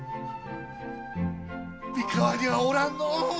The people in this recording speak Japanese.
三河には、おらんのう！